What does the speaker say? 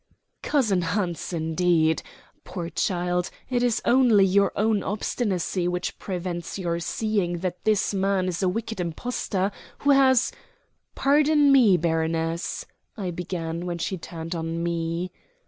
"Cousin Hans, indeed. Poor child; it's only your own obstinacy which prevents your seeing that this man is a wicked impostor who has " "Pardon me, baroness " I began, when she turned on me.